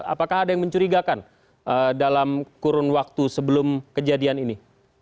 apakah ada yang mencurigakan dalam kurun waktu sebelum kejadian ini